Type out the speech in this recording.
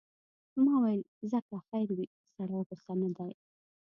ما ویل ځه که خیر وي، سړی غوسه نه دی.